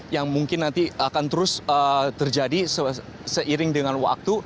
yang mungkin nanti akan terus terjadi seiring dengan waktu